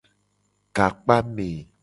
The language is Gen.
Gakpame.